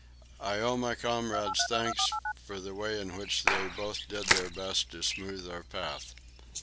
I owe my comrades thanks for the way in which they both did their best to smooth our path.